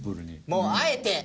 もうあえて。